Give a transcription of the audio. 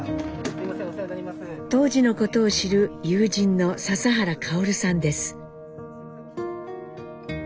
当時のことを知る友人の笹原薫さんです。